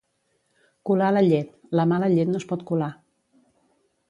Colar la llet, la mala llet no es pot colar